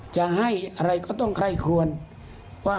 ใช่ค่ะ